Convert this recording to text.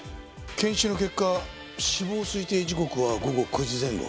検視の結果死亡推定時刻は午後９時前後。